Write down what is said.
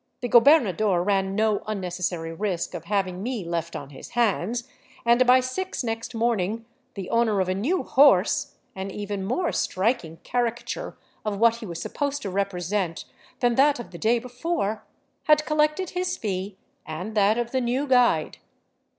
The gobernador ran no unnecessary risk of having me left on his hands, and by six next morning the owner of a new " horse," an even more striking caricature of what he was supposed to represent than that of 294 DRAWBACKS OF THE TRAIL the day before, had collected his fee and that of the new " guide."